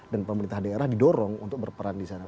dan pemerintah daerah didorong untuk berperan disana